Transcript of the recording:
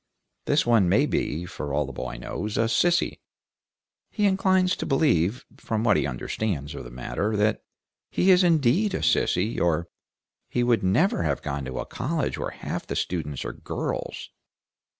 This one may be, for all the boy knows, a sissy; he inclines to believe, from what he understands of the matter, that he is indeed a sissy, or he would never have gone to a college where half the students are girls.